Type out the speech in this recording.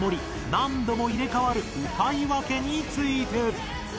何度も入れ替わる歌い分けについて。